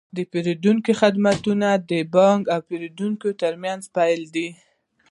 د پیرودونکو خدمتونه د بانک او پیرودونکي ترمنځ پل دی۔